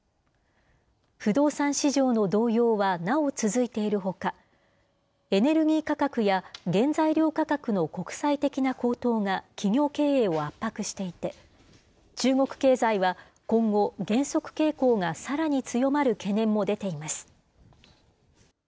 不動産市場の動揺はなお続いているほか、エネルギー価格や原材料価格の国際的な高騰が企業経営を圧迫していて、中国経済は今後、減速傾向がさらに強まる懸念も出ています。